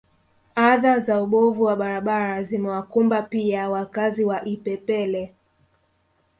Adha za ubovu wa barabara zimewakumba pia wakazi wa Ipepele